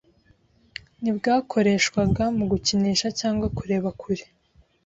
ntibwakoreshwaga mu gukinisha cyangwa kurebera kure